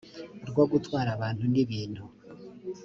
rwo gutwara abantu n ibintu